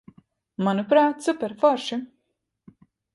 Manuprāt, superforši.